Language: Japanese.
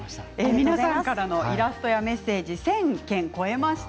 皆さんからのイラストやメッセージ１０００件を超えました。